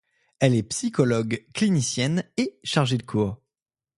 Elle est psychologue clinicienne, et chargée de cours.